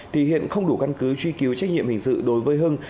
thì hiện không đủ căn cứ truy cứu trách nhiệm hình sự đối với hưng